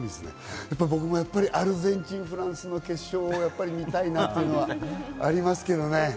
僕もアルゼンチンとフランスの決勝見たいなというのもありますけどね。